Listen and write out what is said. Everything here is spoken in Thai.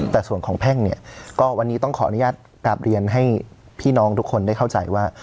แต่ส่วนของแพ่งเนี่ยก็วันนี้ต้องขออนุญาตกราบเรียนให้พี่น้องทุกคนได้เข้าใจว่า